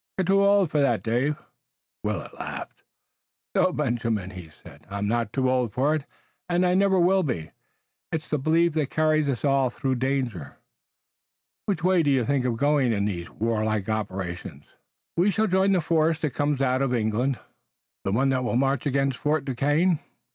You're too old for that, David." Willet laughed. "No, Benjamin," he said, "I'm not too old for it, and I never will be. It's the belief that carries us all through danger." "Which way did you think of going in these warlike operations?" "We shall join the force that comes out from England." "The one that will march against Fort Duquesne?"